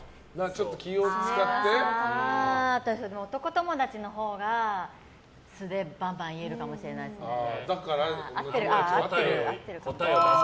私は男友達のほうが素でバンバン言えるかもしれないですね。